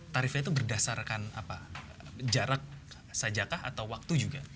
tarifnya itu berdasarkan jarak saja kah atau waktu juga